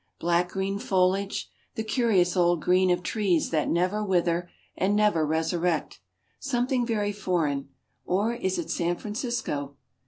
Black green foliage, the curious old green of trees that never wither and never resurrect. Something very foreign or is it San Francisco?